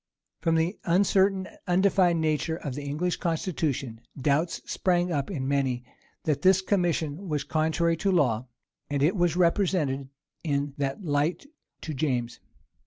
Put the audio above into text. From the uncertain and undefined nature of the English constitution, doubts sprang up in many, that this commission was contrary to law; and it was represented in that light to James.